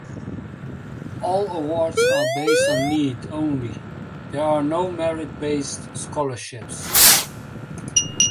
All awards are based on need only; there are no merit-based scholarships.